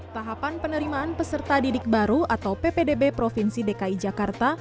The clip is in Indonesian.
tahapan penerimaan peserta didik baru atau ppdb provinsi dki jakarta